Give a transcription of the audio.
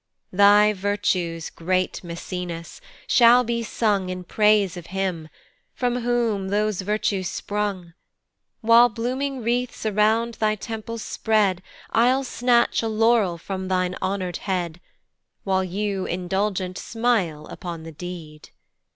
Thy virtues, great Maecenas! shall be sung In praise of him, from whom those virtues sprung: While blooming wreaths around thy temples spread, I'll snatch a laurel from thine honour'd head, While you indulgent smile upon the deed.